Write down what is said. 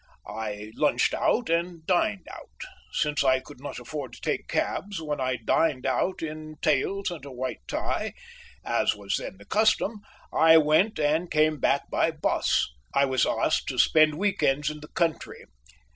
I lunched out and dined out. Since I could not afford to take cabs, when I dined out, in tails and a white tie, as was then the custom, I went and came back by bus. I was asked to spend week ends in the country.